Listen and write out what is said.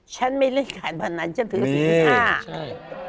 ฉันไม่เล่นการพนันฉันถือศิลป์๕